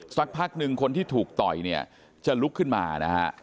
สักพักหนึ่งคนที่ถูกต่อยเนี่ยจะลุกขึ้นมานะฮะ